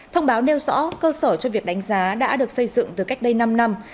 thông báo nêu rõ cơ sở cho việc đánh giá đã được xây dựng từ cách đây năm năm